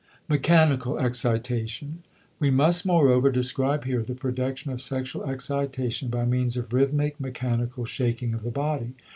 *Mechanical Excitation.* We must, moreover, describe here the production of sexual excitation by means of rhythmic mechanical shaking of the body.